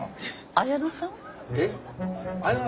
綾乃さん？